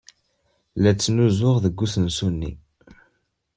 La ttnusuɣ deg usensu-nni.